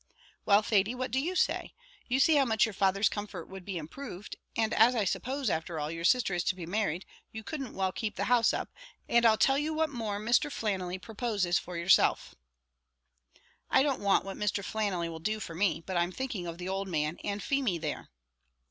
"Well, Thady, what do you say? You see how much your father's comfort would be improved; and as I suppose, after all, your sister is to be married, you couldn't well keep the house up; and I'll tell you what more Mr. Flannelly proposes for yourself." "I don't want what Mr. Flannelly will do for me; but I'm thinking of the old man, and Feemy there."